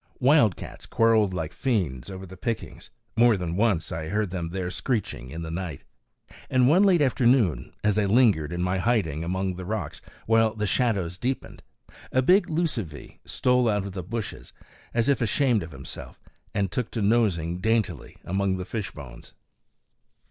Wild cats quarreled like fiends over the pickings; more than once I heard them there screeching in the night. And one late afternoon, as I lingered in my hiding among the rocks while the shadows deepened, a big lucivee stole out of the bushes, as if ashamed of himself, and took to nosing daintily among the fish bones.